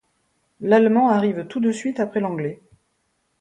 L'allemand arrive tout de suite après l'anglais.